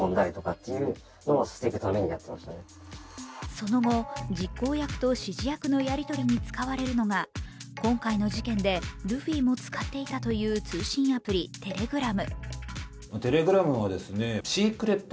その後、実行役と指示役のやりとりに使われるのが今回の事件でルフィも使っていたという通信アプリ、Ｔｅｌｅｇｒａｍ。